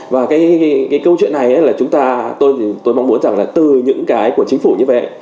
và cái câu chuyện này là chúng tôi mong muốn rằng là từ những cái của chính phủ như vậy